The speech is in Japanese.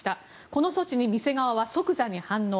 この措置に店側は即座に反応。